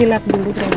dilap dulu krimatnya